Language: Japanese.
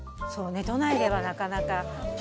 そうね都内ではなかなか。